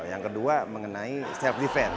yang kedua mengenai self defense